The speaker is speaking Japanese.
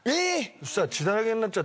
そしたら。